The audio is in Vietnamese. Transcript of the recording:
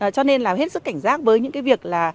cho nên là hết sức cảnh giác với những cái việc là